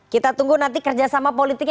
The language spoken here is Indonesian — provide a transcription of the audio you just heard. kita tunggu nanti kerjasama politiknya